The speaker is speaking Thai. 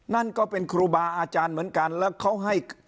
นั่นก็เป็นครูบาอาจารย์เหมือนกันแล้วเขาให้